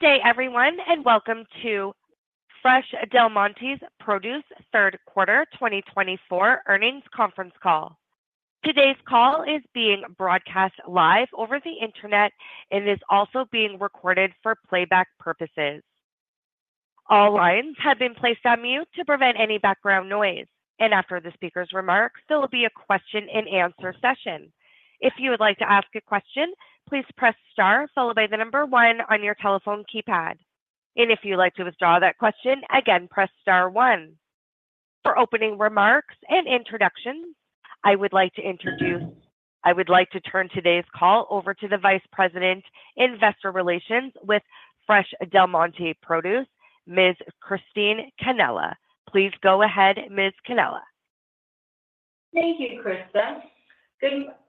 Good day, everyone, and welcome to Fresh Del Monte Produce's third quarter 2024 earnings conference call. Today's call is being broadcast live over the internet and is also being recorded for playback purposes. All lines have been placed on mute to prevent any background noise. After the speaker's remarks, there will be a question-and-answer session. If you would like to ask a question, please press star followed by the number one on your telephone keypad. And if you'd like to withdraw that question, again, press star one. For opening remarks and introductions, I would like to turn today's call over to the Vice President, Investor Relations with Fresh Del Monte Produce, Ms. Christine Cannella. Please go ahead, Ms. Cannella. Thank you, Christa.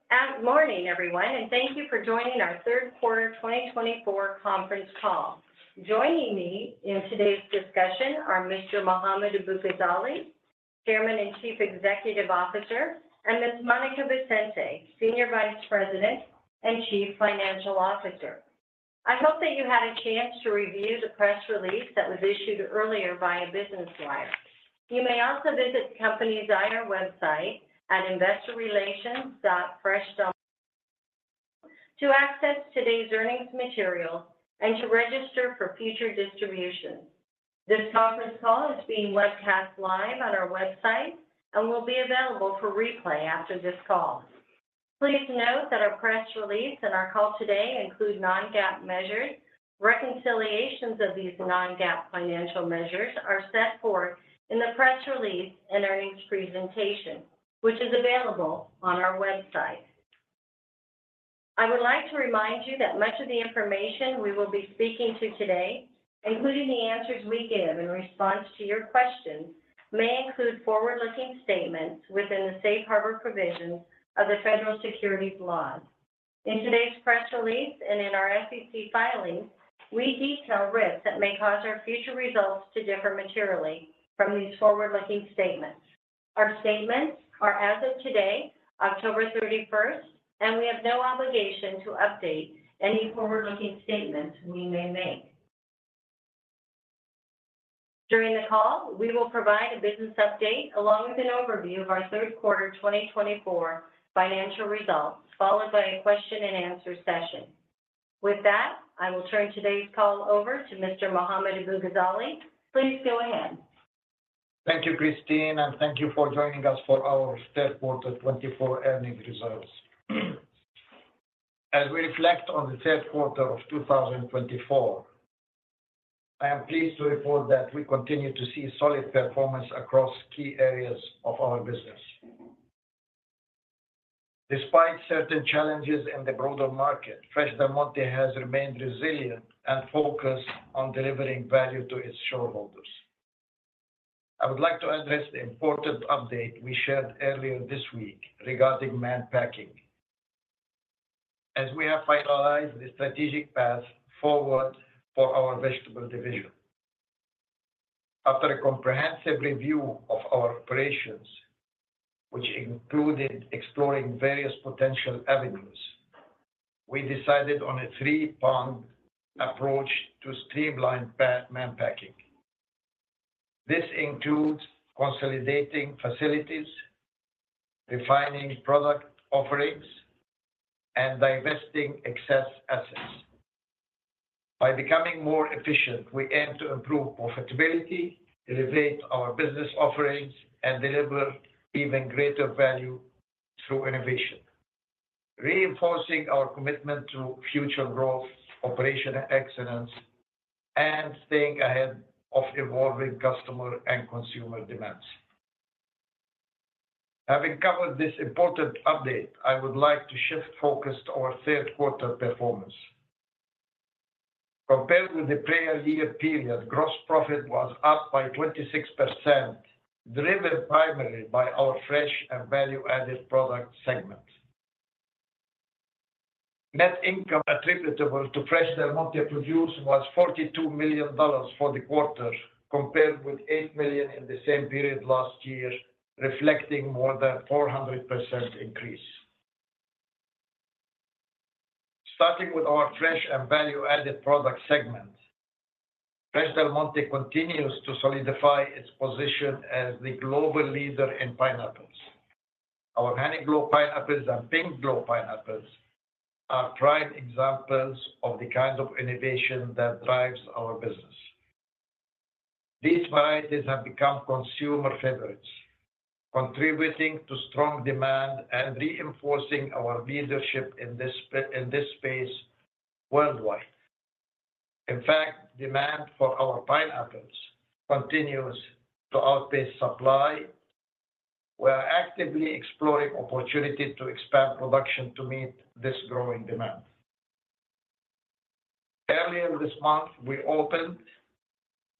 Good morning, everyone, and thank you for joining our Third Quarter 2024 conference call. Joining me in today's discussion are Mr. Mohammad Abu-Ghazaleh, Chairman and Chief Executive Officer, and Ms. Monica Vicente, Senior Vice President and Chief Financial Officer. I hope that you had a chance to review the press release that was issued earlier via Business Wire. You may also visit the company's IR website at investorrelations.freshdelmonte.com to access today's earnings material and to register for future distributions. This conference call is being webcast live on our website and will be available for replay after this call. Please note that our press release and our call today include non-GAAP measures. Reconciliations of these non-GAAP financial measures are set forth in the press release and earnings presentation, which is available on our website. I would like to remind you that much of the information we will be speaking to today, including the answers we give in response to your questions, may include forward-looking statements within the safe harbor provisions of the federal securities laws. In today's press release and in our SEC filings, we detail risks that may cause our future results to differ materially from these forward-looking statements. Our statements are, as of today, October 31st, and we have no obligation to update any forward-looking statements we may make. During the call, we will provide a business update along with an overview of our third quarter 2024 financial results, followed by a question-and-answer session. With that, I will turn today's call over to Mr. Mohammad Abu-Ghazaleh. Please go ahead. Thank you, Christine, and thank you for joining us for our Third Quarter 2024 earnings results. As we reflect on the Third Quarter of 2024, I am pleased to report that we continue to see solid performance across key areas of our business. Despite certain challenges in the broader market, Fresh Del Monte has remained resilient and focused on delivering value to its shareholders. I would like to address the important update we shared earlier this week regarding Mann Packing, as we have finalized the strategic path forward for our vegetable division. After a comprehensive review of our operations, which included exploring various potential avenues, we decided on a three-pronged approach to streamline Mann Packing. This includes consolidating facilities, refining product offerings, and divesting excess assets. By becoming more efficient, we aim to improve profitability, elevate our business offerings, and deliver even greater value through innovation, reinforcing our commitment to future growth, operational excellence, and staying ahead of evolving customer and consumer demands. Having covered this important update, I would like to shift focus to our third quarter performance. Compared with the prior year period, gross profit was up by 26%, driven primarily by our fresh and value-added product segment. Net income attributable to Fresh Del Monte Produce was $42 million for the quarter, compared with $8 million in the same period last year, reflecting more than a 400% increase. Starting with our fresh and value-added product segment, Fresh Del Monte continues to solidify its position as the global leader in pineapples. Our Honeyglow pineapples and Pinkglow pineapples are prime examples of the kind of innovation that drives our business. These varieties have become consumer favorites, contributing to strong demand and reinforcing our leadership in this space worldwide. In fact, demand for our pineapples continues to outpace supply. We are actively exploring opportunities to expand production to meet this growing demand. Earlier this month, we opened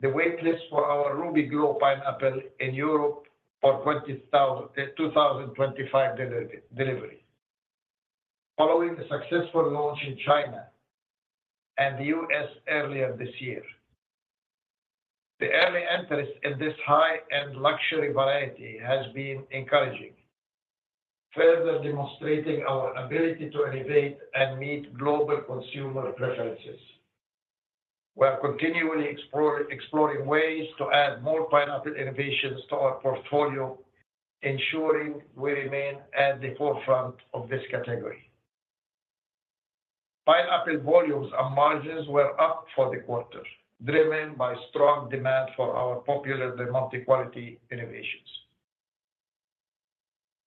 the waitlist for our Rubyglow pineapple in Europe for 2025 delivery, following a successful launch in China and the U.S. earlier this year. The early entries in this high-end luxury variety have been encouraging, further demonstrating our ability to innovate and meet global consumer preferences. We are continually exploring ways to add more pineapple innovations to our portfolio, ensuring we remain at the forefront of this category. Pineapple volumes and margins were up for the quarter, driven by strong demand for our popular Del Monte quality innovations.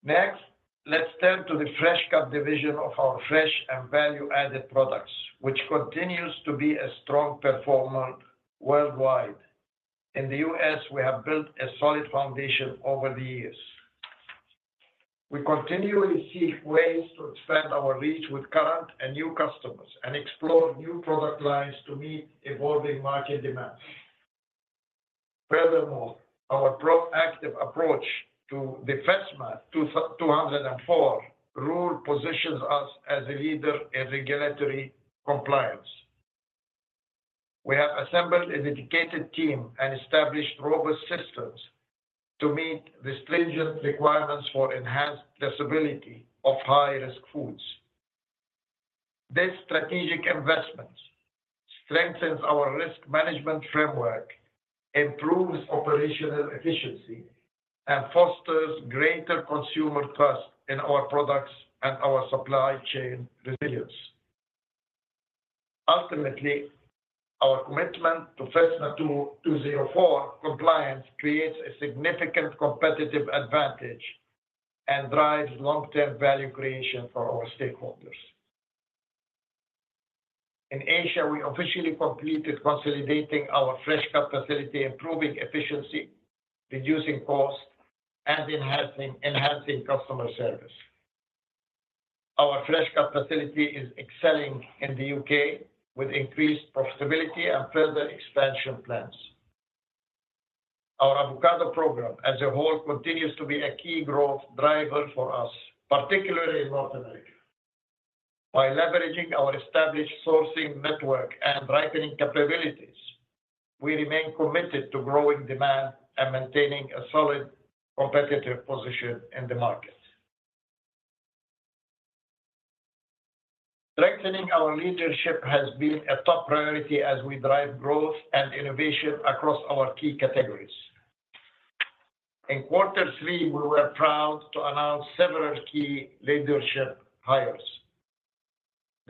Next, let's turn to the fresh-cut division of our fresh and value-added products, which continues to be a strong performer worldwide. In the U.S., we have built a solid foundation over the years. We continually seek ways to expand our reach with current and new customers and explore new product lines to meet evolving market demands. Furthermore, our proactive approach to the FSMA 204 rule positions us as a leader in regulatory compliance. We have assembled a dedicated team and established robust systems to meet the stringent requirements for enhanced traceability of high-risk foods. This strategic investment strengthens our risk management framework, improves operational efficiency, and fosters greater consumer trust in our products and our supply chain resilience. Ultimately, our commitment to FSMA 204 compliance creates a significant competitive advantage and drives long-term value creation for our stakeholders. In Asia, we officially completed consolidating our fresh-cut facility, improving efficiency, reducing cost, and enhancing customer service. Our fresh-cut facility is excelling in the U.K., with increased profitability and further expansion plans. Our avocado program, as a whole, continues to be a key growth driver for us, particularly in North America. By leveraging our established sourcing network and ripening capabilities, we remain committed to growing demand and maintaining a solid competitive position in the market. Strengthening our leadership has been a top priority as we drive growth and innovation across our key categories. In Quarter Three, we were proud to announce several key leadership hires.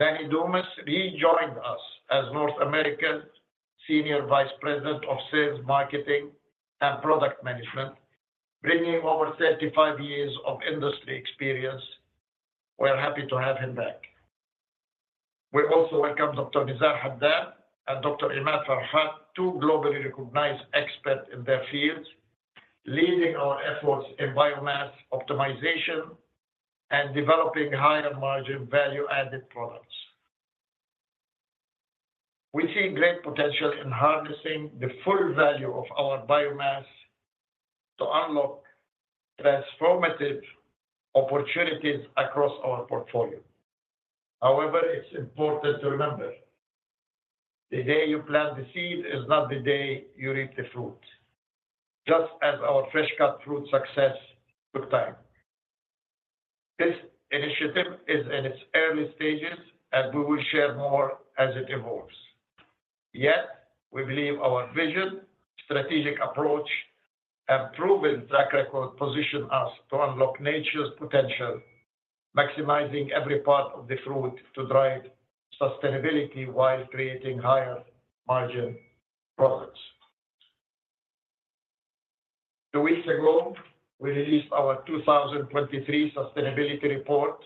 Danny Dumas rejoined us as North American Senior Vice President of Sales, Marketing, and Product Management, bringing over 35 years of industry experience. We are happy to have him back. We also welcome Dr. Nizar Haddad and Dr. Imad Farhat, two globally recognized experts in their fields, leading our efforts in biomass optimization and developing higher-margin value-added products. We see great potential in harnessing the full value of our biomass to unlock transformative opportunities across our portfolio. However, it's important to remember: the day you plant the seed is not the day you reap the fruit, just as our fresh-cut fruit success took time. This initiative is in its early stages, and we will share more as it evolves. Yet, we believe our vision, strategic approach, and proven track record position us to unlock nature's potential, maximizing every part of the fruit to drive sustainability while creating higher-margin products. Two weeks ago, we released our 2023 Sustainability Report,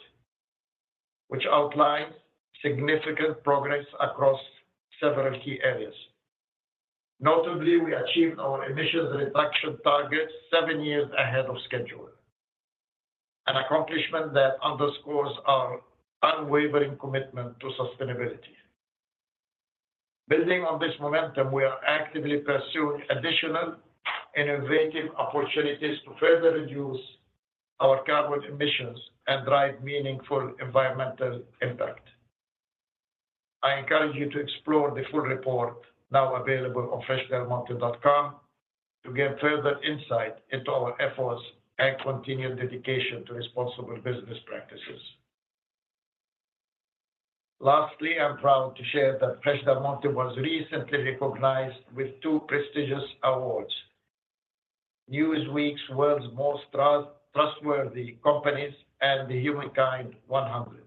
which outlines significant progress across several key areas. Notably, we achieved our emissions reduction targets seven years ahead of schedule, an accomplishment that underscores our unwavering commitment to sustainability. Building on this momentum, we are actively pursuing additional innovative opportunities to further reduce our carbon emissions and drive meaningful environmental impact. I encourage you to explore the full report now available on freshdelmonte.com to gain further insight into our efforts and continued dedication to responsible business practices. Lastly, I'm proud to share that Fresh Del Monte was recently recognized with two prestigious awards: Newsweek's World's Most Trustworthy Companies and the Humankind 100.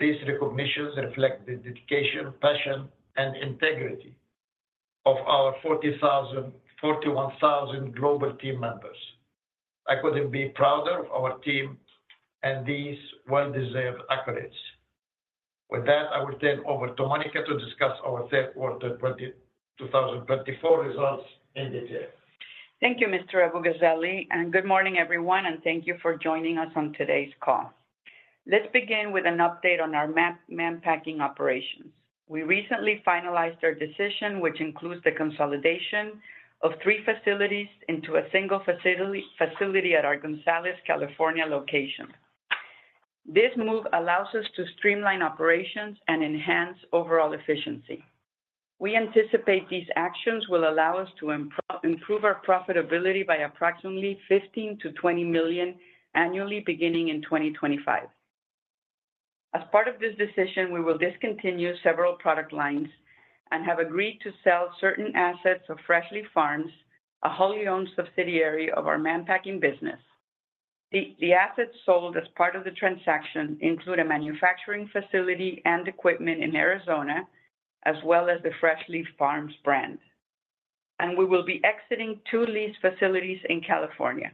These recognitions reflect the dedication, passion, and integrity of our 40,000, 41,000 global team members. I couldn't be prouder of our team and these well-deserved accolades. With that, I will turn over to Monica to discuss our third quarter 2024 results in detail. Thank you, Mr. Abu-Ghazaleh. And good morning, everyone, and thank you for joining us on today's call. Let's begin with an update on our Mann Packing operations. We recently finalized our decision, which includes the consolidation of three facilities into a single facility at our Gonzales, California location. This move allows us to streamline operations and enhance overall efficiency. We anticipate these actions will allow us to improve our profitability by approximately $15-$20 million annually, beginning in 2025. As part of this decision, we will discontinue several product lines and have agreed to sell certain assets of Fresh Leaf Farms, a wholly-owned subsidiary of our Mann Packing business. The assets sold as part of the transaction include a manufacturing facility and equipment in Arizona, as well as the Fresh Leaf Farms brand. And we will be exiting two leased facilities in California.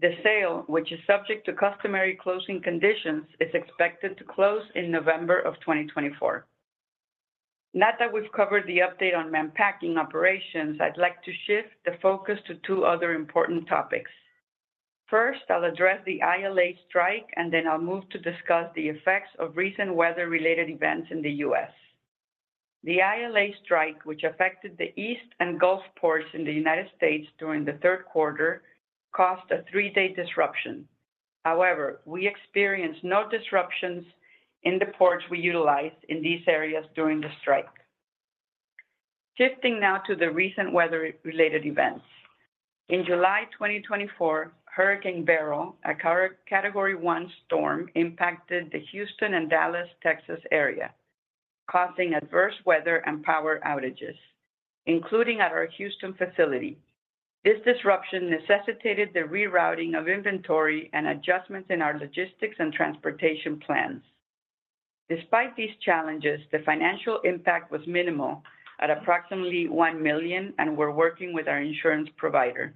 The sale, which is subject to customary closing conditions, is expected to close in November of 2024. Now that we've covered the update on Mann Packing operations, I'd like to shift the focus to two other important topics. First, I'll address the ILA strike, and then I'll move to discuss the effects of recent weather-related events in the U.S. The ILA strike, which affected the East and Gulf ports in the United States during the third quarter, caused a three-day disruption. However, we experienced no disruptions in the ports we utilized in these areas during the strike. Shifting now to the recent weather-related events. In July 2024, Hurricane Beryl, a Category One storm, impacted the Houston and Dallas, Texas area, causing adverse weather and power outages, including at our Houston facility. This disruption necessitated the rerouting of inventory and adjustments in our logistics and transportation plans. Despite these challenges, the financial impact was minimal, at approximately $1 million, and we're working with our insurance provider.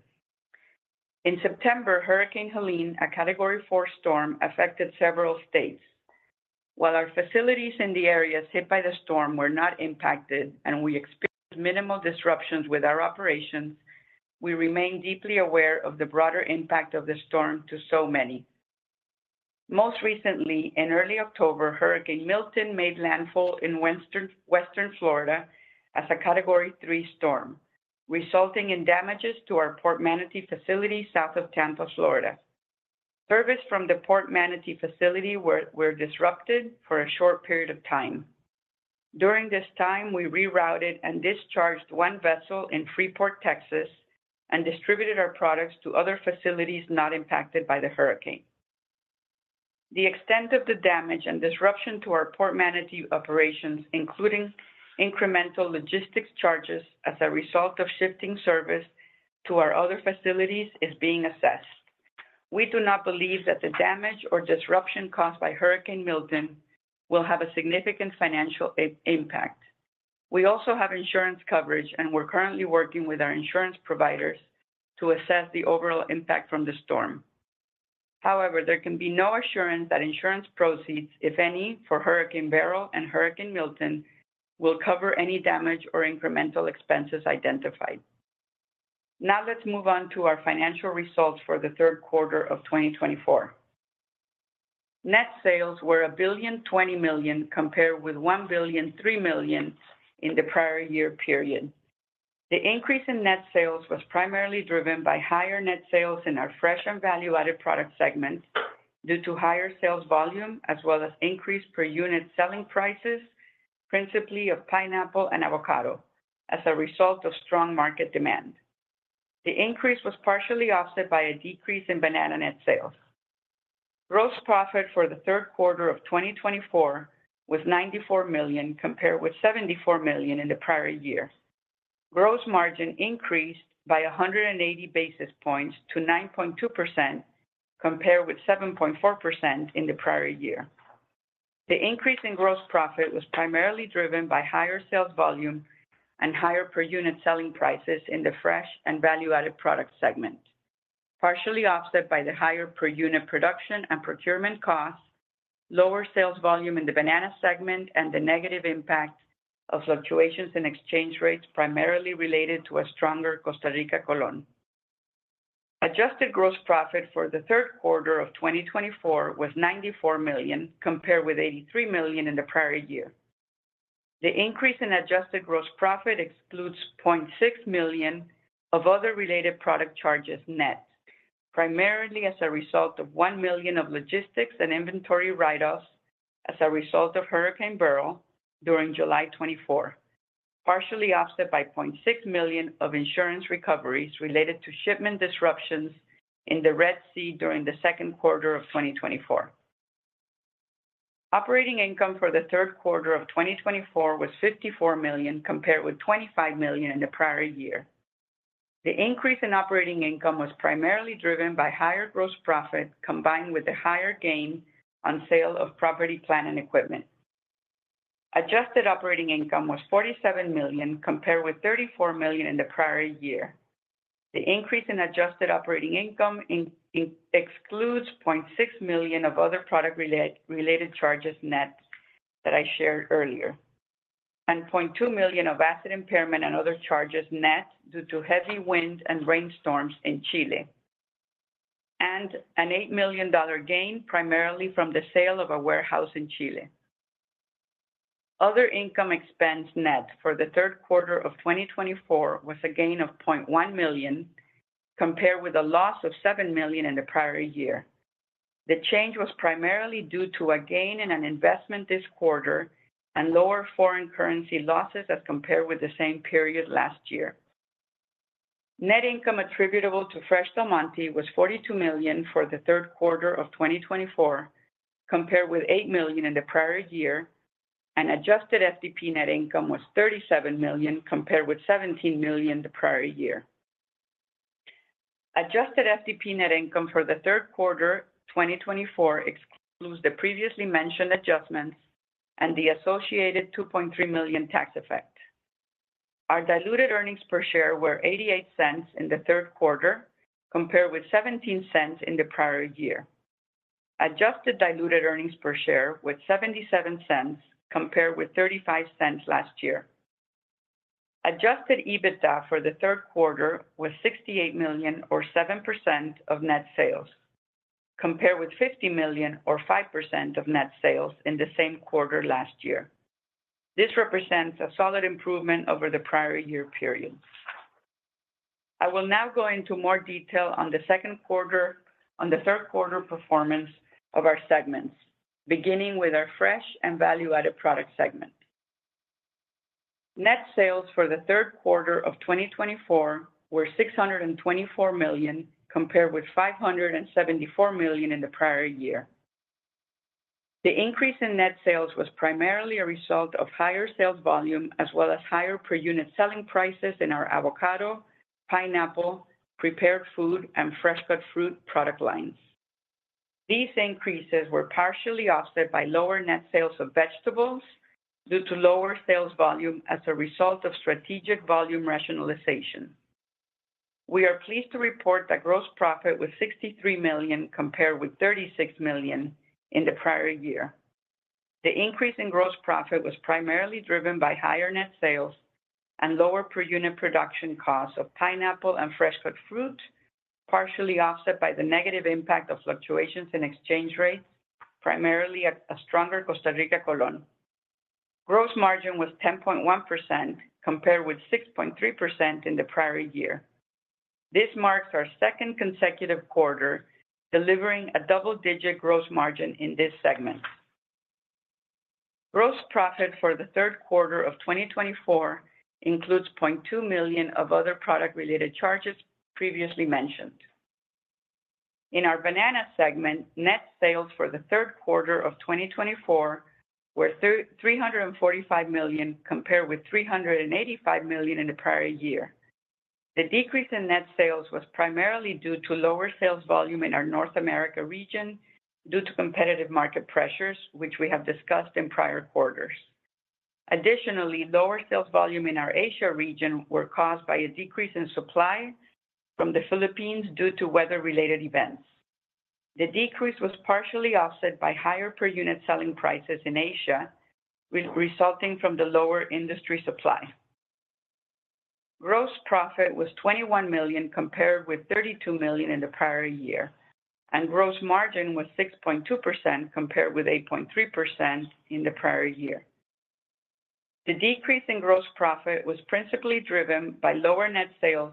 In September, Hurricane Helene, a Category Four storm, affected several states. While our facilities in the areas hit by the storm were not impacted and we experienced minimal disruptions with our operations, we remain deeply aware of the broader impact of the storm to so many. Most recently, in early October, Hurricane Milton made landfall in Western Florida as a Category Three storm, resulting in damages to our Port Manatee facility south of Tampa, Florida. Service from the Port Manatee facility was disrupted for a short period of time. During this time, we rerouted and discharged one vessel in Freeport, Texas, and distributed our products to other facilities not impacted by the hurricane. The extent of the damage and disruption to our Port Manatee operations, including incremental logistics charges as a result of shifting service to our other facilities, is being assessed. We do not believe that the damage or disruption caused by Hurricane Milton will have a significant financial impact. We also have insurance coverage, and we're currently working with our insurance providers to assess the overall impact from the storm. However, there can be no assurance that insurance proceeds, if any, for Hurricane Beryl and Hurricane Milton will cover any damage or incremental expenses identified. Now let's move on to our financial results for the third quarter of 2024. Net sales were $1.2 billion, compared with $1.3 billion in the prior year period. The increase in net sales was primarily driven by higher net sales in our fresh and value-added product segments due to higher sales volume, as well as increased per-unit selling prices, principally of pineapple and avocado, as a result of strong market demand. The increase was partially offset by a decrease in banana net sales. Gross profit for the third quarter of 2024 was $94 million, compared with $74 million in the prior year. Gross margin increased by 180 basis points to 9.2%, compared with 7.4% in the prior year. The increase in gross profit was primarily driven by higher sales volume and higher per-unit selling prices in the fresh and value-added product segment, partially offset by the higher per-unit production and procurement costs, lower sales volume in the banana segment, and the negative impact of fluctuations in exchange rates primarily related to a stronger Costa Rica colon. Adjusted gross profit for the third quarter of 2024 was $94 million, compared with $83 million in the prior year. The increase in adjusted gross profit excludes $0.6 million of other related product charges net, primarily as a result of $1 million of logistics and inventory write-offs as a result of Hurricane Beryl during July 2024, partially offset by $0.6 million of insurance recoveries related to shipment disruptions in the Red Sea during the second quarter of 2024. Operating income for the third quarter of 2024 was $54 million, compared with $25 million in the prior year. The increase in operating income was primarily driven by higher gross profit combined with the higher gain on sale of property, plant, and equipment. Adjusted operating income was $47 million, compared with $34 million in the prior year. The increase in adjusted operating income excludes $0.6 million of other product-related charges net that I shared earlier, and $0.2 million of asset impairment and other charges net due to heavy wind and rainstorms in Chile, and an $8 million gain primarily from the sale of a warehouse in Chile. Other income expense net for the third quarter of 2024 was a gain of $0.1 million, compared with a loss of $7 million in the prior year. The change was primarily due to a gain in an investment this quarter and lower foreign currency losses as compared with the same period last year. Net income attributable to Fresh Del Monte was $42 million for the third quarter of 2024, compared with $8 million in the prior year, and adjusted FDP net income was $37 million, compared with $17 million in the prior year. Adjusted FDP net income for the third quarter of 2024 excludes the previously mentioned adjustments and the associated $2.3 million tax effect. Our diluted earnings per share were $0.88 in the third quarter, compared with $0.17 in the prior year. Adjusted diluted earnings per share was $0.77, compared with $0.35 last year. Adjusted EBITDA for the third quarter was $68 million, or 7% of net sales, compared with $50 million, or 5% of net sales, in the same quarter last year. This represents a solid improvement over the prior year period. I will now go into more detail on the third quarter performance of our segments, beginning with our fresh and value-added product segment. Net sales for the third quarter of 2024 were $624 million, compared with $574 million in the prior year. The increase in net sales was primarily a result of higher sales volume, as well as higher per-unit selling prices in our avocado, pineapple, prepared food, and fresh-cut fruit product lines. These increases were partially offset by lower net sales of vegetables due to lower sales volume as a result of strategic volume rationalization. We are pleased to report that gross profit was $63 million, compared with $36 million in the prior year. The increase in gross profit was primarily driven by higher net sales and lower per-unit production costs of pineapple and fresh-cut fruit, partially offset by the negative impact of fluctuations in exchange rates, primarily a stronger Costa Rica colon. Gross margin was 10.1%, compared with 6.3% in the prior year. This marks our second consecutive quarter delivering a double-digit gross margin in this segment. Gross profit for the third quarter of 2024 includes $0.2 million of other product-related charges previously mentioned. In our banana segment, net sales for the third quarter of 2024 were $345 million, compared with $385 million in the prior year. The decrease in net sales was primarily due to lower sales volume in our North America region due to competitive market pressures, which we have discussed in prior quarters. Additionally, lower sales volume in our Asia region was caused by a decrease in supply from the Philippines due to weather-related events. The decrease was partially offset by higher per-unit selling prices in Asia, resulting from the lower industry supply. Gross profit was $21 million, compared with $32 million in the prior year, and gross margin was 6.2%, compared with 8.3% in the prior year. The decrease in gross profit was principally driven by lower net sales,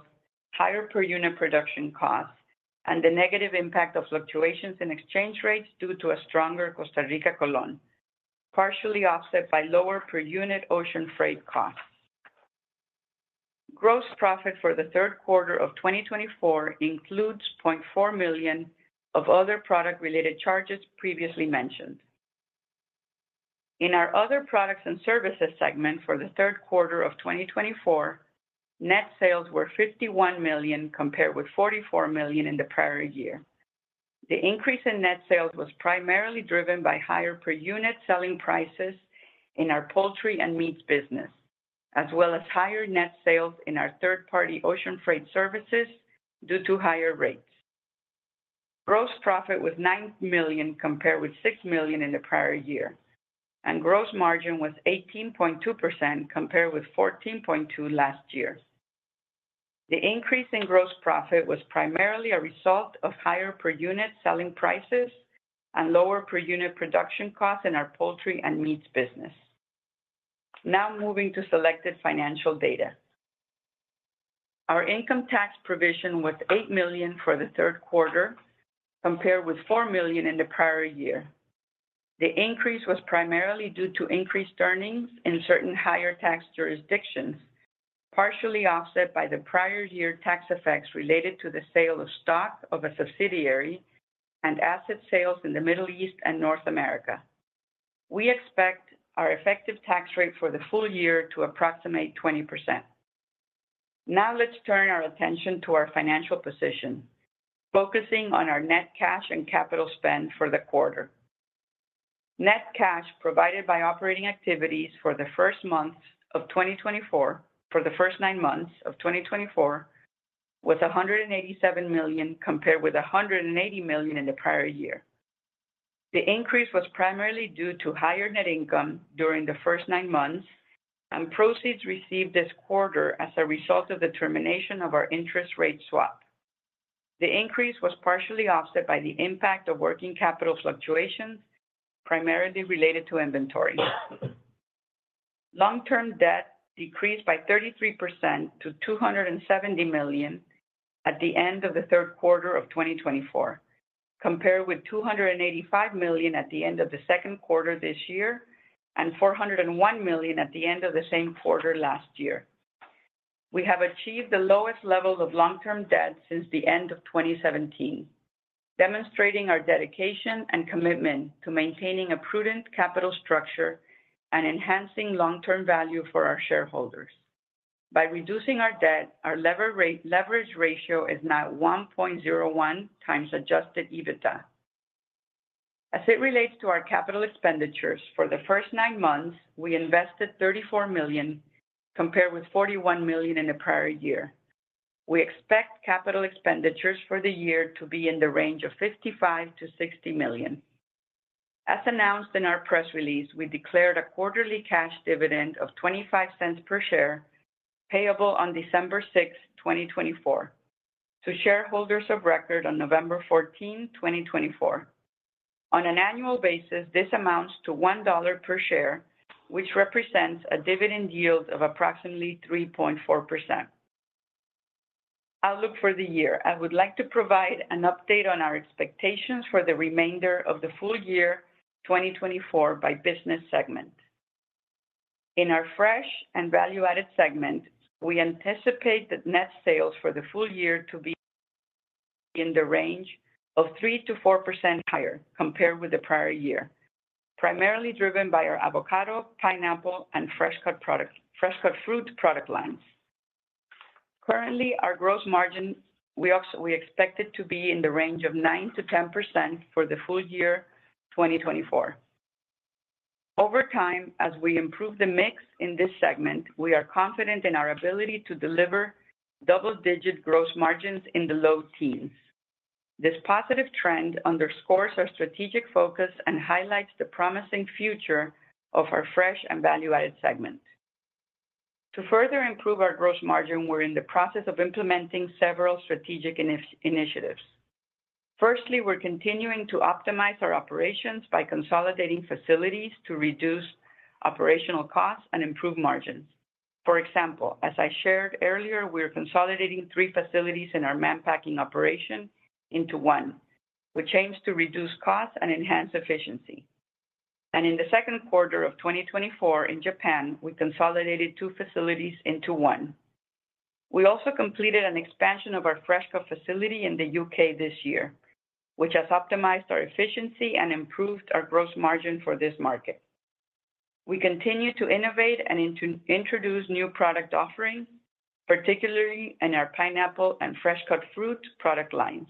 higher per-unit production costs, and the negative impact of fluctuations in exchange rates due to a stronger Costa Rica colon, partially offset by lower per-unit ocean freight costs. Gross profit for the third quarter of 2024 includes $0.4 million of other product-related charges previously mentioned. In our other products and services segment for the third quarter of 2024, net sales were $51 million, compared with $44 million in the prior year. The increase in net sales was primarily driven by higher per-unit selling prices in our poultry and meats business, as well as higher net sales in our third-party ocean freight services due to higher rates. Gross profit was $9 million, compared with $6 million in the prior year, and gross margin was 18.2%, compared with 14.2% last year. The increase in gross profit was primarily a result of higher per-unit selling prices and lower per-unit production costs in our poultry and meats business. Now moving to selected financial data. Our income tax provision was $8 million for the third quarter, compared with $4 million in the prior year. The increase was primarily due to increased earnings in certain higher tax jurisdictions, partially offset by the prior year tax effects related to the sale of stock of a subsidiary and asset sales in the Middle East and North America. We expect our effective tax rate for the full year to approximate 20%. Now let's turn our attention to our financial position, focusing on our net cash and capital spend for the quarter. Net cash provided by operating activities for the first quarter of 2024 for the first nine months of 2024 was $187 million, compared with $180 million in the prior year. The increase was primarily due to higher net income during the first nine months and proceeds received this quarter as a result of the termination of our interest rate swap. The increase was partially offset by the impact of working capital fluctuations, primarily related to inventory. Long-term debt decreased by 33% to $270 million at the end of the third quarter of 2024, compared with $285 million at the end of the second quarter this year and $401 million at the end of the same quarter last year. We have achieved the lowest level of long-term debt since the end of 2017, demonstrating our dedication and commitment to maintaining a prudent capital structure and enhancing long-term value for our shareholders. By reducing our debt, our leverage ratio is now 1.01 times Adjusted EBITDA. As it relates to our capital expenditures, for the first nine months, we invested $34 million, compared with $41 million in the prior year. We expect capital expenditures for the year to be in the range of $55-$60 million. As announced in our press release, we declared a quarterly cash dividend of $0.25 per share payable on December 6, 2024, to shareholders of record on November 14, 2024. On an annual basis, this amounts to $1 per share, which represents a dividend yield of approximately 3.4%. Outlook for the year: I would like to provide an update on our expectations for the remainder of the full year 2024 by business segment. In our fresh and value-added segment, we anticipate the net sales for the full year to be in the range of 3%-4% higher, compared with the prior year, primarily driven by our avocado, pineapple, and fresh-cut fruit product lines. Currently, our gross margin we expect it to be in the range of 9%-10% for the full year 2024. Over time, as we improve the mix in this segment, we are confident in our ability to deliver double-digit gross margins in the low teens. This positive trend underscores our strategic focus and highlights the promising future of our fresh and value-added segment. To further improve our gross margin, we're in the process of implementing several strategic initiatives. Firstly, we're continuing to optimize our operations by consolidating facilities to reduce operational costs and improve margins. For example, as I shared earlier, we're consolidating three facilities in our Mann Packing operation into one, which aims to reduce costs and enhance efficiency, and in the second quarter of 2024 in Japan, we consolidated two facilities into one. We also completed an expansion of our fresh-cut facility in the U.K. this year, which has optimized our efficiency and improved our gross margin for this market. We continue to innovate and introduce new product offerings, particularly in our pineapple and fresh-cut fruit product lines,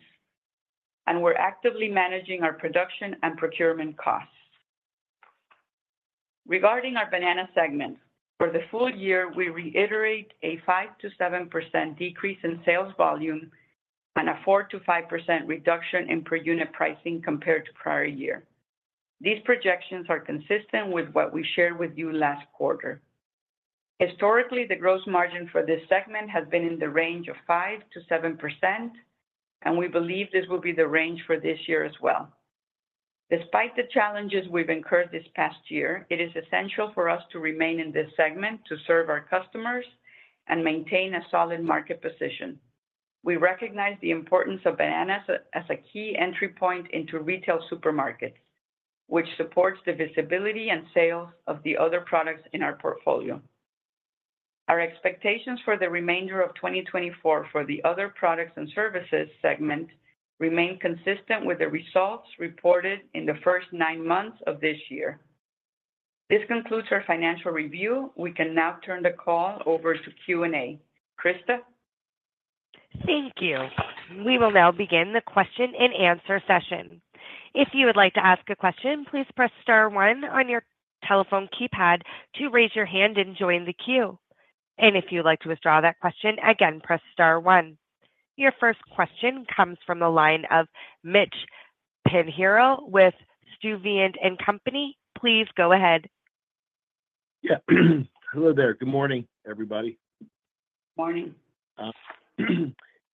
and we're actively managing our production and procurement costs. Regarding our banana segment, for the full year, we reiterate a 5%-7% decrease in sales volume and a 4%-5% reduction in per-unit pricing compared to the prior year. These projections are consistent with what we shared with you last quarter. Historically, the gross margin for this segment has been in the range of 5%-7%, and we believe this will be the range for this year as well. Despite the challenges we've incurred this past year, it is essential for us to remain in this segment to serve our customers and maintain a solid market position. We recognize the importance of bananas as a key entry point into retail supermarkets, which supports the visibility and sales of the other products in our portfolio. Our expectations for the remainder of 2024 for the other products and services segment remain consistent with the results reported in the first nine months of this year. This concludes our financial review. We can now turn the call over to Q&A. Christa? Thank you. We will now begin the question-and-answer session. If you would like to ask a question, please press star one on your telephone keypad to raise your hand and join the queue, and if you'd like to withdraw that question, again, press star one. Your first question comes from the line of Mitch Pinheiro with Sturdivant & Co. Please go ahead. Yeah. Hello there. Good morning, everybody. Morning.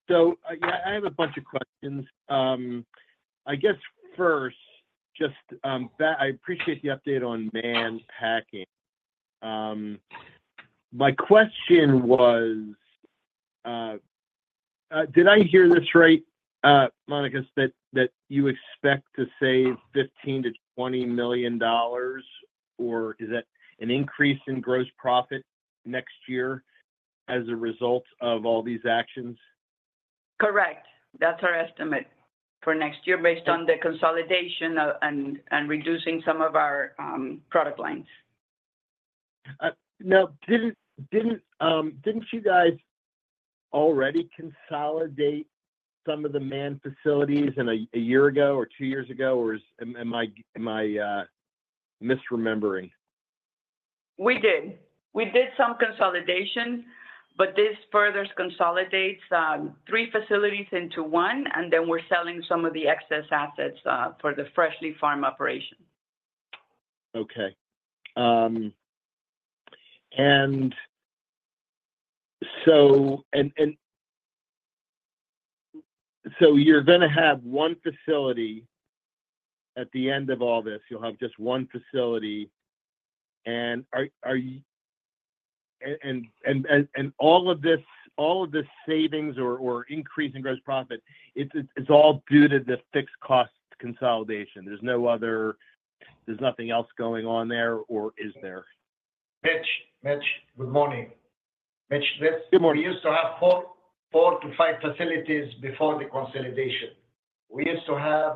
So yeah, I have a bunch of questions. I guess first, just, I appreciate the update on Mann Packing. My question was, did I hear this right, Monica, that you expect to save $15-$20 million, or is that an increase in gross profit next year as a result of all these actions? Correct. That's our estimate for next year based on the consolidation and reducing some of our product lines. Now, didn't you guys already consolidate some of the Mann facilities a year ago or two years ago, or am I misremembering? We did. We did some consolidation, but this further consolidates three facilities into one, and then we're selling some of the excess assets for the Fresh Leaf Farms operation. Okay. And so you're going to have one facility at the end of all this. You'll have just one facility. And all of this savings or increase in gross profit, it's all due to the fixed cost consolidation. There's nothing else going on there, or is there? Mitch, Mitch, good morning. Mitch, we used to have four to five facilities before the consolidation. We used to have,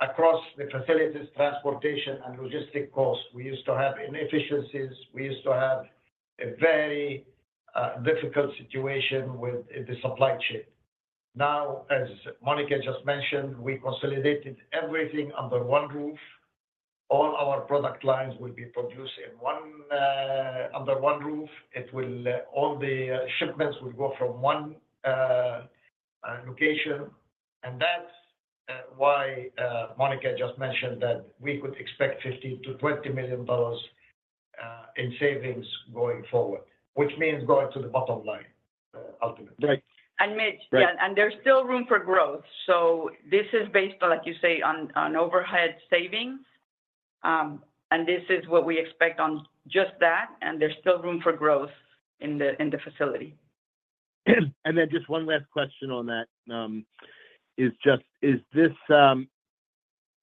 across the facilities, transportation and logistic costs. We used to have inefficiencies. We used to have a very difficult situation with the supply chain. Now, as Monica just mentioned, we consolidated everything under one roof. All our product lines will be produced under one roof. All the shipments will go from one location. And that's why Monica just mentioned that we could expect $15-$20 million in savings going forward, which means going to the bottom line, ultimately. Right. And Mitch, and there's still room for growth. So this is based on, like you say, on overhead savings, and this is what we expect on just that, and there's still room for growth in the facility. And then just one last question on that is just,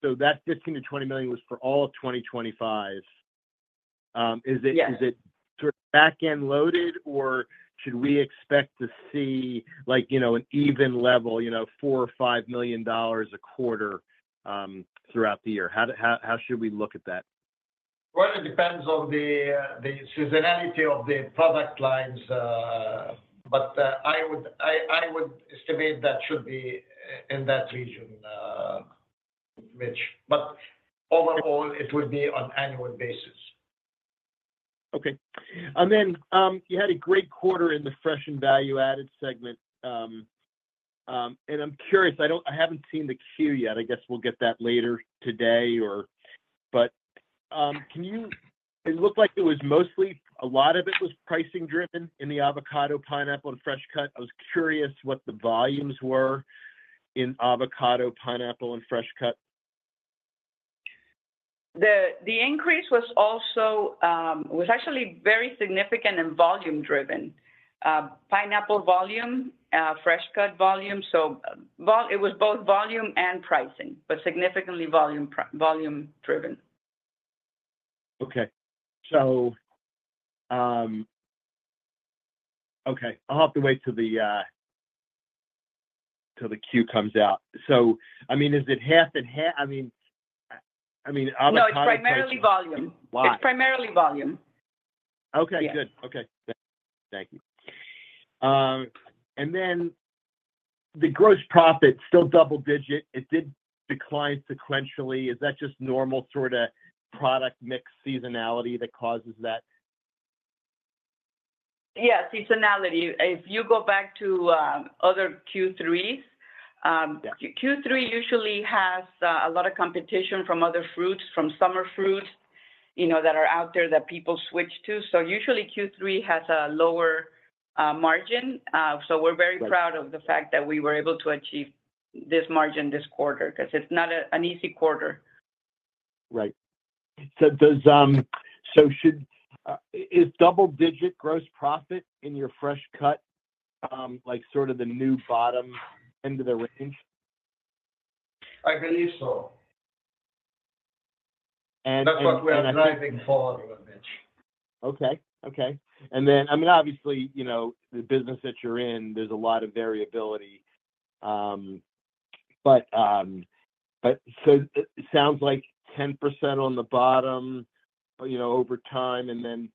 so that $15-$20 million was for all of 2025. Is it sort of back-end loaded, or should we expect to see an even level, $4 or $5 million a quarter throughout the year? How should we look at that? It depends on the seasonality of the product lines, but I would estimate that should be in that region, Mitch. But overall, it would be on an annual basis. Okay. Then you had a great quarter in the fresh and value-added segment. I'm curious. I haven't seen the Q yet. I guess we'll get that later today, but it looked like it was mostly a lot of it was pricing driven in the avocado, pineapple, and fresh-cut. I was curious what the volumes were in avocado, pineapple, and fresh-cut. The increase was actually very significant and volume-driven. Pineapple volume, fresh-cut volume, so it was both volume and pricing, but significantly volume-driven. Okay. Okay. I'll have to wait till the Q comes out. So I mean, is it half and half? I mean, avocado and pineapple. No, it's primarily volume. Why? It's primarily volume. Okay. Good. Okay. Thank you. And then the gross profit still double-digit. It did decline sequentially. Is that just normal sort of product mix seasonality that causes that? Yeah, seasonality. If you go back to other Q3s, Q3 usually has a lot of competition from other fruits, from summer fruits that are out there that people switch to. So usually, Q3 has a lower margin. So we're very proud of the fact that we were able to achieve this margin this quarter because it's not an easy quarter. Right. So is double-digit gross profit in your fresh cut sort of the new bottom end of the range? I believe so. That's what we're driving for, Mitch. Okay. Okay. And then, I mean, obviously, the business that you're in, there's a lot of variability. But so it sounds like 10% on the bottom over time, and then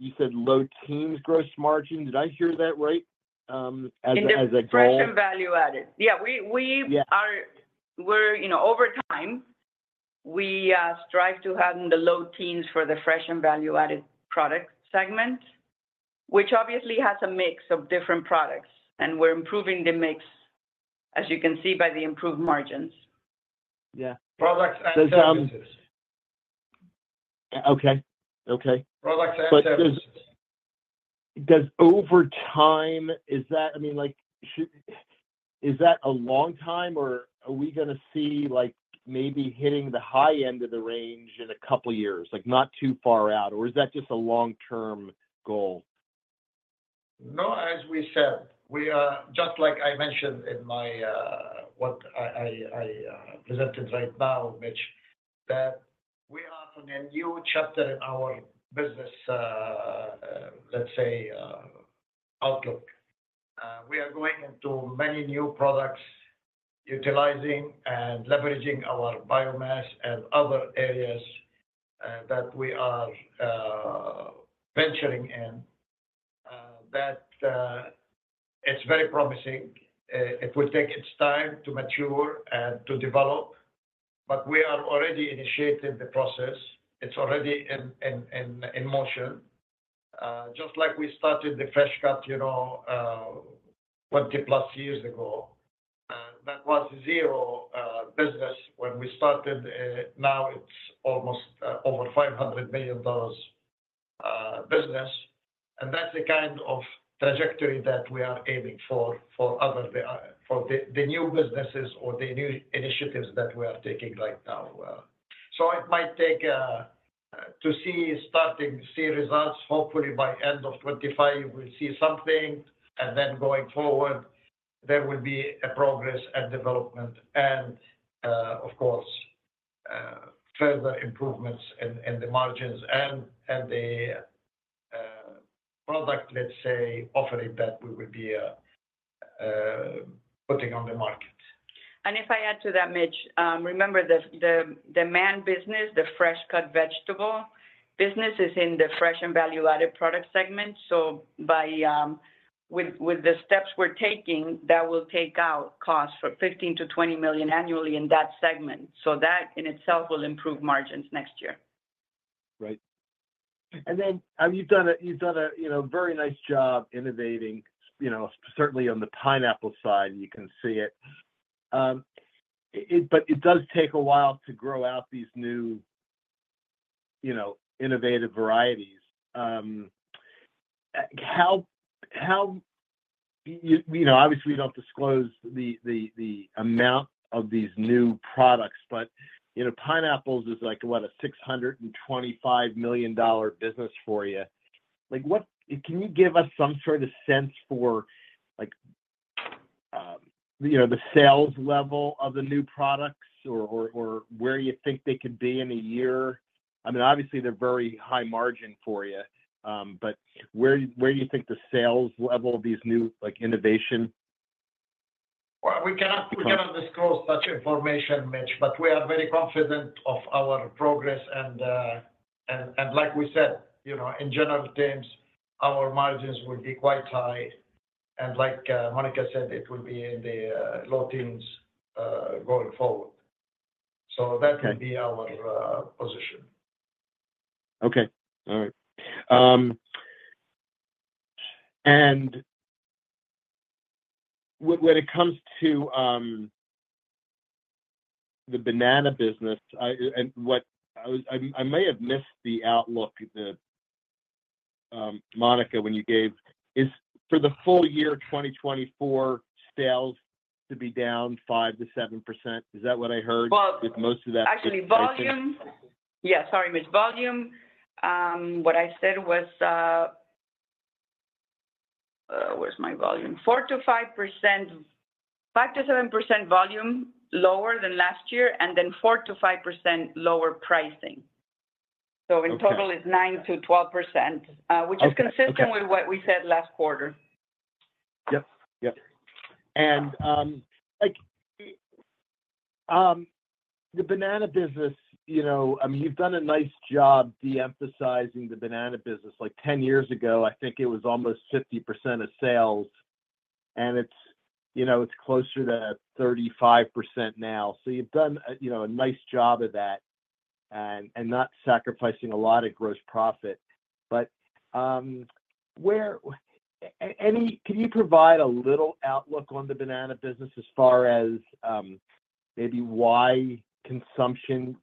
you said low teens gross margin. Did I hear that right as a goal? Fresh and value-added. Yeah. Over time, we strive to have the low teens for the fresh and value-added product segment, which obviously has a mix of different products, and we're improving the mix, as you can see, by the improved margins. Yeah. Products and services. Okay. Okay. Products and services. Does over time, I mean, is that a long time, or are we going to see maybe hitting the high end of the range in a couple of years, not too far out? Or is that just a long-term goal? No, as we said, just like I mentioned in what I presented right now, Mitch, that we are in a new chapter in our business, let's say, outlook. We are going into many new products, utilizing and leveraging our biomass and other areas that we are venturing in. It's very promising. It will take its time to mature and to develop, but we are already initiating the process. It's already in motion. Just like we started the fresh cut 20-plus years ago, that was zero business when we started. Now it's almost over $500 million business. And that's the kind of trajectory that we are aiming for, for the new businesses or the new initiatives that we are taking right now. So it might take time to start to see results. Hopefully, by end of 2025, we'll see something. And then going forward, there will be a progress and development and, of course, further improvements in the margins and the product, let's say, offering that we will be putting on the market. And if I add to that, Mitch, remember the Mann business, the fresh-cut vegetable business is in the fresh and value-added product segment. So with the steps we're taking, that will take out costs for $15-$20 million annually in that segment. So that in itself will improve margins next year. Right. And then you've done a very nice job innovating, certainly on the pineapple side. You can see it. But it does take a while to grow out these new innovative varieties. Obviously, we don't disclose the amount of these new products, but pineapples is like a $625 million business for you. Can you give us some sort of sense for the sales level of the new products or where you think they could be in a year? I mean, obviously, they're very high margin for you, but where do you think the sales level of these new innovations? We cannot disclose such information, Mitch, but we are very confident of our progress. And like we said, in general terms, our margins will be quite high. And like Monica said, it will be in the low teens going forward. So that would be our position. Okay. All right. And when it comes to the banana business, I may have missed the outlook, Monica, when you gave for the full year 2024, sales to be down 5%-7%. Is that what I heard with most of that? Actually, volume, yeah, sorry, Mitch. Volume, what I said was, where's my volume? 4%-5%, 5%-7% volume lower than last year, and then 4%-5% lower pricing. So in total, it's 9%-12%, which is consistent with what we said last quarter. Yep. Yep. And the banana business, I mean, you've done a nice job de-emphasizing the banana business. Like 10 years ago, I think it was almost 50% of sales, and it's closer to 35% now. So you've done a nice job of that and not sacrificing a lot of gross profit. But can you provide a little outlook on the banana business as far as maybe why consumption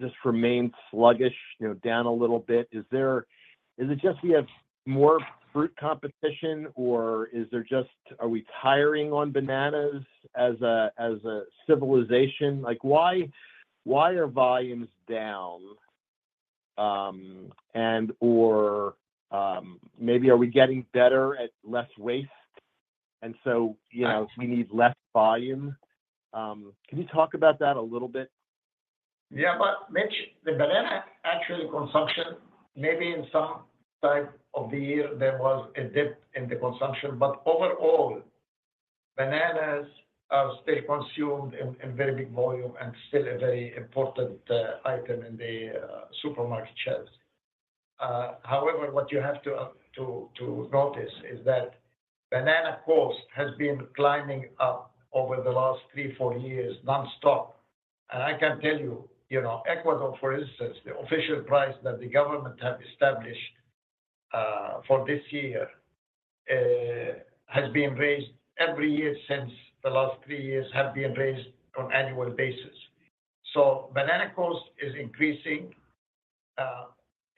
just remains sluggish, down a little bit? Is it just we have more fruit competition, or are we tiring on bananas as a civilization? Why are volumes down? And/or maybe are we getting better at less waste? And so we need less volume. Can you talk about that a little bit? Yeah. But Mitch, the banana actually consumption, maybe in some time of the year, there was a dip in the consumption. But overall, bananas are still consumed in very big volume and still a very important item in the supermarket shelves. However, what you have to notice is that banana cost has been climbing up over the last three, four years nonstop. And I can tell you, Ecuador, for instance, the official price that the government has established for this year has been raised every year since the last three years have been raised on annual basis. So banana cost is increasing.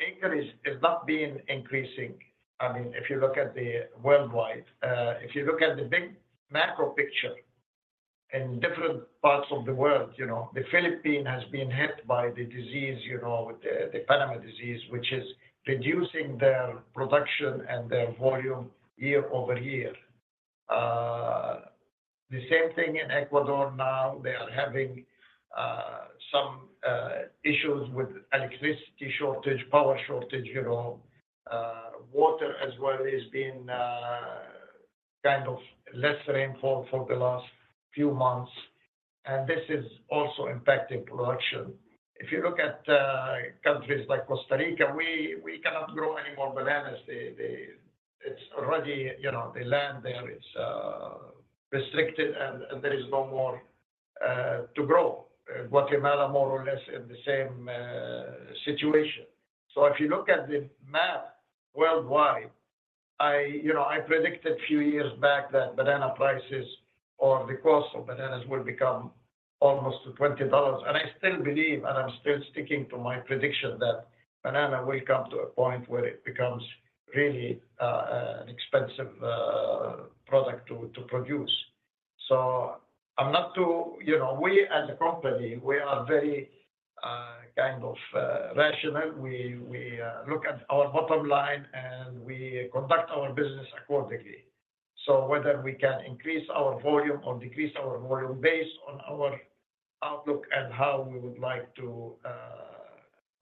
Acres is not being increasing. I mean, if you look at the worldwide, if you look at the big macro picture in different parts of the world, the Philippines has been hit by the disease, the Panama Disease, which is reducing their production and their volume year over year. The same thing in Ecuador now. They are having some issues with electricity shortage, power shortage. Water as well is being kind of less rainfall for the last few months, and this is also impacting production. If you look at countries like Costa Rica, we cannot grow any more bananas. It's already the land there is restricted, and there is no more to grow. Guatemala, more or less, in the same situation. So if you look at the map worldwide, I predicted a few years back that banana prices or the cost of bananas will become almost $20, and I still believe, and I'm still sticking to my prediction that banana will come to a point where it becomes really an expensive product to produce. So I'm not too. We as a company, we are very kind of rational. We look at our bottom line, and we conduct our business accordingly. Whether we can increase our volume or decrease our volume based on our outlook and how we would like to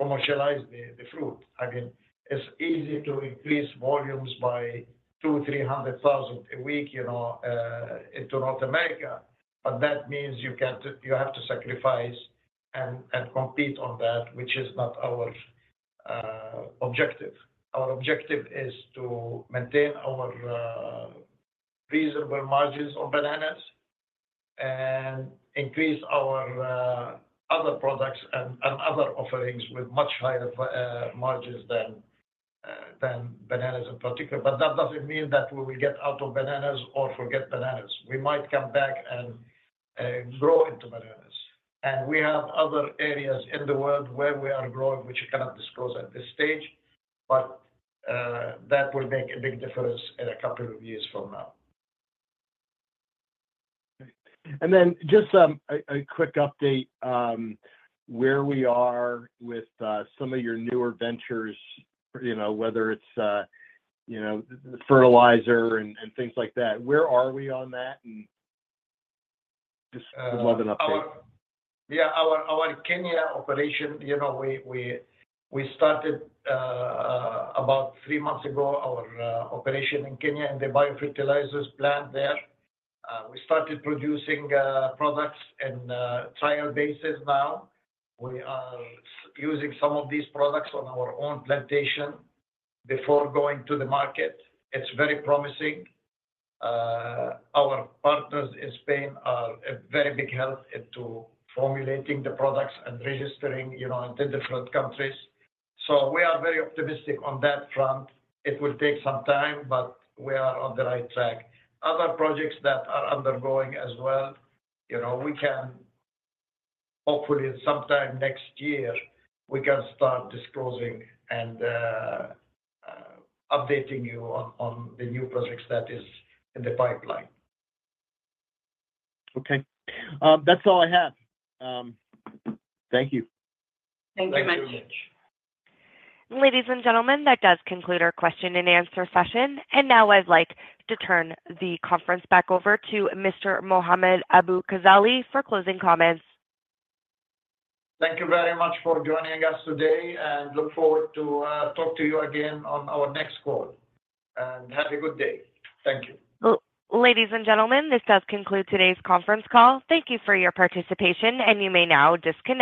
commercialize the fruit. I mean, it's easy to increase volumes by 2,300,000 a week into North America, but that means you have to sacrifice and compete on that, which is not our objective. Our objective is to maintain our reasonable margins on bananas and increase our other products and other offerings with much higher margins than bananas in particular. But that doesn't mean that we will get out of bananas or forget bananas. We might come back and grow into bananas. And we have other areas in the world where we are growing, which we cannot disclose at this stage, but that will make a big difference in a couple of years from now. And then just a quick update where we are with some of your newer ventures, whether it's fertilizer and things like that. Where are we on that? And just would love an update. Yeah. Our Kenya operation, we started about three months ago, our operation in Kenya and the biofertilizers plant there. We started producing products on a trial basis now. We are using some of these products on our own plantation before going to the market. It's very promising. Our partners in Spain are a very big help into formulating the products and registering in different countries. So we are very optimistic on that front. It will take some time, but we are on the right track. Other projects that are undergoing as well, we can hopefully sometime next year, we can start disclosing and updating you on the new projects that are in the pipeline. Okay. That's all I have. Thank you. Thank you very much. Thank you very much. Ladies and gentlemen, that does conclude our question and answer session. And now I'd like to turn the conference back over to Mr. Mohammad Abu-Ghazaleh for closing comments. Thank you very much for joining us today, and look forward to talking to you again on our next call. And have a good day. Thank you. Ladies and gentlemen, this does conclude today's conference call. Thank you for your participation, and you may now disconnect.